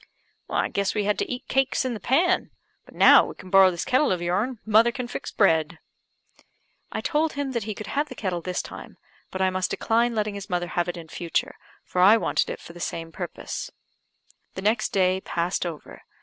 "I guess we had to eat cakes in the pan; but now we can borrow this kettle of your'n, mother can fix bread." I told him that he could have the kettle this time; but I must decline letting his mother have it in future, for I wanted it for the same purpose. The next day passed over.